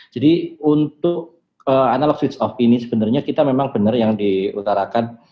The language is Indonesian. jadi untuk analog switch off ini sebenarnya kita memang benar yang diutarakan